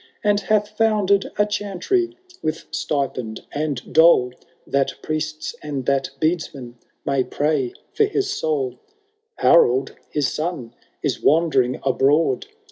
And hath founded a chantry with stipend and dole. That priests and that beadsmen may pray for his soul : Harold his son is wandering abroad.